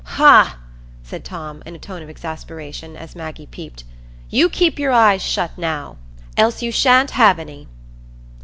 Ha a a!" said Tom, in a tone of exasperation, as Maggie peeped. "You keep your eyes shut, now, else you sha'n't have any."